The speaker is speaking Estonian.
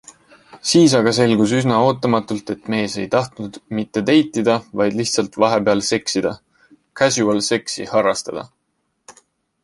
Siis aga selgus üsna ootamatult, et mees ei tahtnud mitte deitida, vaid lihtsalt vahepeal seksida, casual sex'i harrastada.